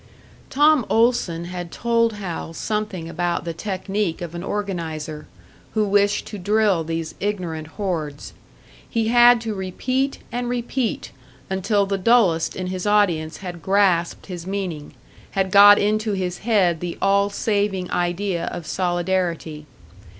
Tom Olson had told Hal something about the technique of an organiser, who wished to drill these ignorant hordes. He had to repeat and repeat, until the dullest in his audience had grasped his meaning, had got into his head the all saving idea of solidarity.